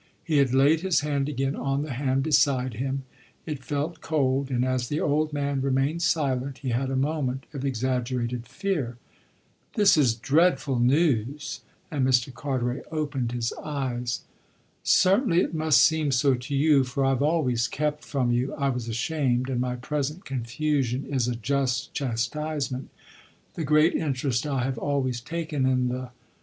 He had laid his hand again on the hand beside him; it felt cold, and as the old man remained silent he had a moment of exaggerated fear. "This is dreadful news" and Mr. Carteret opened his eyes. "Certainly it must seem so to you, for I've always kept from you I was ashamed, and my present confusion is a just chastisement the great interest I have always taken in the